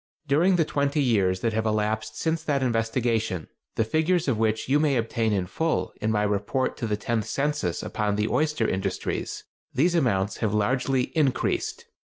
During the twenty years that have elapsed since that investigation—the figures of which you may obtain in full in my Report to the Tenth Census upon the Oyster Industries—these amounts have largely increased.